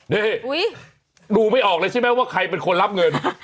นี่ดูไม่ออกเลยใช่ไหมว่าใครเป็นคนรับเงิน